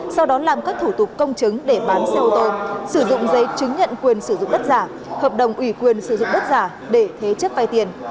sau đó làm các thủ tục công chứng để bán xe ô tô sử dụng giấy chứng nhận quyền sử dụng đất giả hợp đồng ủy quyền sử dụng đất giả để thế chấp vay tiền